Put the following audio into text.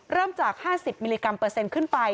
เริ่มจาก๕๐มิลลิกรัมเปอร์เซ็นต์ขึ้นไป